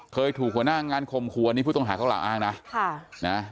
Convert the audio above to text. เคยถูกหัวหน้างานคมฮัวนี่ผู้ต้องหาเขากำลังอ้างนะ